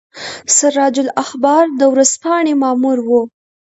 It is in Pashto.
سراج الاخبار د ورځپاڼې مامور وو.